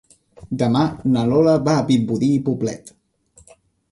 Demà na Lola va a Vimbodí i Poblet.